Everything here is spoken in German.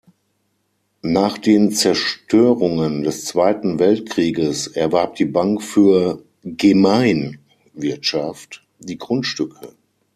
Nach den Zerstörungen des Zweiten Weltkrieges erwarb die Bank für Gemeinwirtschaft die Grundstücke.